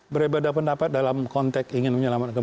berbeda pendapat dalam konteks ingin menyelamatkan